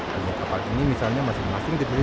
tapi kapal ini misalnya masing masing dibeli